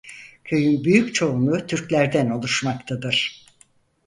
Köyün büyük çoğunluğu Türklerden oluşmaktadır.